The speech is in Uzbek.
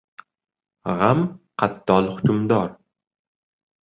G‘am — qattol hukmdor.